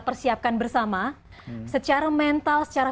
persiapkan bersama secara mental secara